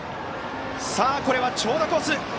これは長打コース。